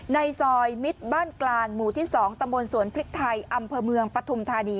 ในซอยมิตรบ้านกลางหมู่ที่๒ตำบลสวนพริกไทยอำเภอเมืองปฐุมธานี